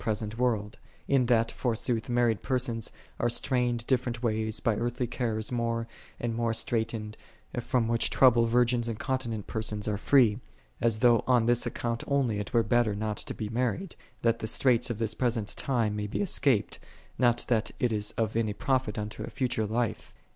present world: in that, forsooth, married persons are strained different ways by earthly cares more and more straitened, from which trouble virgins and continent persons are free: as though on this account only it were better not to be married, that the straits of this present time may be escaped, not that it is of any profit unto a future life.